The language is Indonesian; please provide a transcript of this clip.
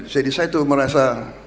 dulu itu jadi saya tuh merasa